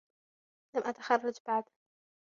لم أتخرج بعد.